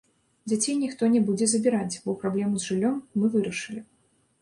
Дзяцей ніхто не будзе забіраць, бо праблему з жыллём мы вырашылі.